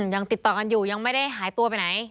ยังติดต่อกันอยู่ยังไม่ได้หายตัวไปไหน